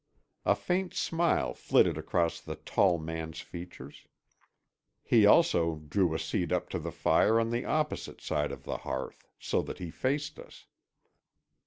A faint smile flitted across the tall man's features. He also drew a seat up to the fire on the opposite side of the hearth so that he faced us.